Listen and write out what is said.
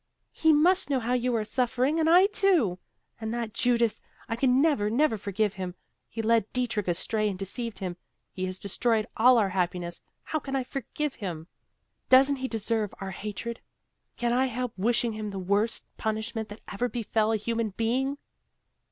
He must know how you are suffering, and I too. And that Judas! I can never, never forgive him. He led Dietrich astray and deceived him. He has destroyed all our happiness. How can I forgive him? Doesn't he deserve our hatred? Can I help wishing him the worst punishment that ever befell a human being?"